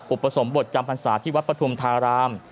อุปสมบทจำพรรษาที่วัดปฐุมธาราม